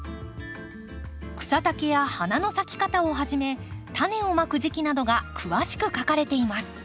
草丈や花の咲き方をはじめタネをまく時期などが詳しく書かれています。